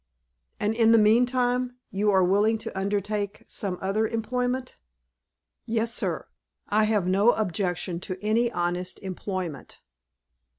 "And, in the mean time, you are willing to undertake some other employment?" "Yes, sir. I have no objection to any honest employment."